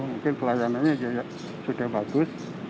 mungkin pelayanannya sudah bagus